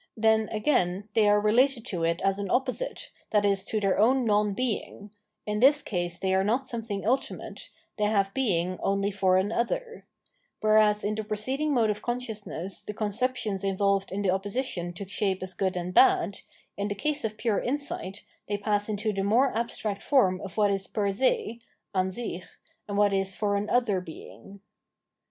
Then, again, they ^®ated to it as an opposite, that is to their own non bej2g; ui this case they are not something ulti mate, tliey have being only for an other. Whereas m the ,)receding mode of consciousness the conceptions involvej the opposition took shape as good and bad, in the ^^gg of pure insight they pass into the more The Struggle of Enlightenment with Superstition 569 abstract forms of wbat is per se {Ansich) and what is for an other being.